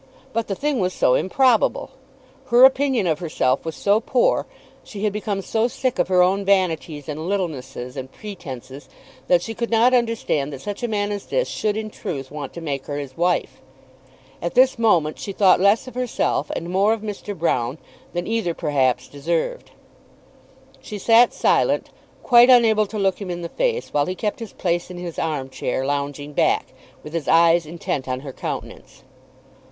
But the thing was so improbable! Her opinion of herself was so poor, she had become so sick of her own vanities and littlenesses and pretences, that she could not understand that such a man as this should in truth want to make her his wife. At this moment she thought less of herself and more of Mr. Broune than either perhaps deserved. She sat silent, quite unable to look him in the face, while he kept his place in his arm chair, lounging back, with his eyes intent on her countenance.